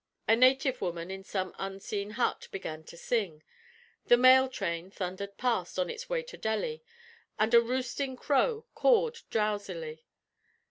A native woman in some unseen hut began to sing, the mail train thundered past on its way to Delhi, and a roosting crow cawed drowsily.